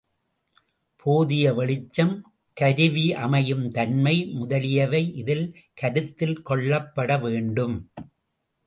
போதிய வெளிச்சம், கருவியமையுந் தன்மை முதலியவை இதில் கருத்தில் கொள்ளப்பட வேண்டும்.